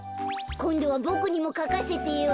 こんどはボクにもかかせてよ。